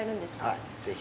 はい、ぜひ。